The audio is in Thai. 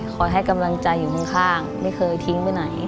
ให้กำลังใจอยู่ข้างไม่เคยทิ้งไปไหน